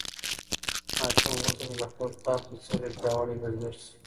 ماشوم غوښتل چې د خپل پلار په څېر یو پیاوړی بزګر شي.